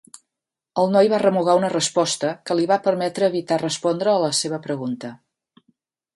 El noi va remugar una resposta que li va permetre evitar respondre a la seva pregunta.